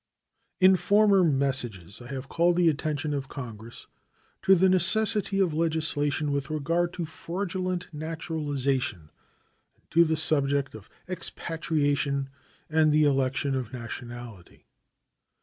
In former messages I have called the attention of Congress to the necessity of legislation with regard to fraudulent naturalization and to the subject of expatriation and the election of nationality.